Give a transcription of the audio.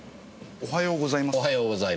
おはようございます。